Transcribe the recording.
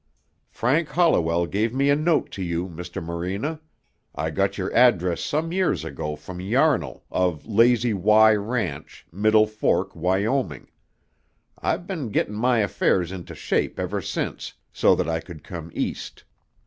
"Frank Holliwell gave me a note to you, Mr. Morena. I got your address some years ago from Yarnall, of Lazy Y Ranch, Middle Fork, Wyoming. I've been gettin' my affairs into shape ever since, so that I could come East.